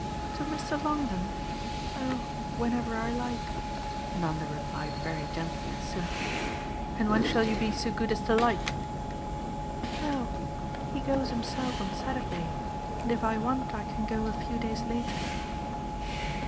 "To Mr. Longdon? Oh whenever I like," Nanda replied very gently and simply. "And when shall you be so good as to like?" "Well, he goes himself on Saturday, and if I want I can go a few days later."